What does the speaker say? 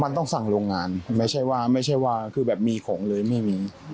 มันต้องสั่งโรงงานไม่ใช่ว่าไม่ใช่ว่าคือแบบมีของเลยไม่มี